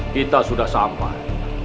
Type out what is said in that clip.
kita sudah sampai